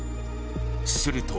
すると